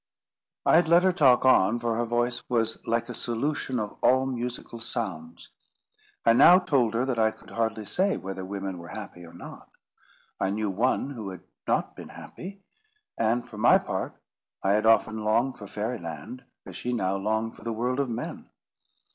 I had let her talk on, for her voice was like a solution of all musical sounds. I now told her that I could hardly say whether women were happy or not. I knew one who had not been happy; and for my part, I had often longed for Fairy Land, as she now longed for the world of men.